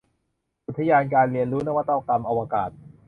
อุทยานการเรียนรู้นวัตกรรมอวกาศ